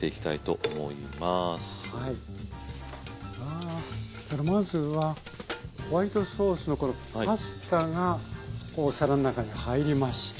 あまずはホワイトソースのこのパスタがお皿の中に入りました。